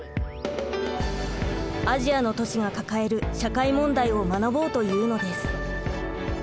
アジアの都市が抱える社会問題を学ぼうというのです。